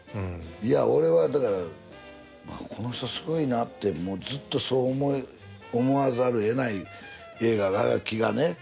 いや俺はこの人すごいなってずっとそう思わざるを得ない映画が「飢餓」ね。